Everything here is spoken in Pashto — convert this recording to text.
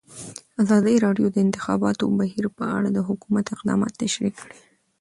ازادي راډیو د د انتخاباتو بهیر په اړه د حکومت اقدامات تشریح کړي.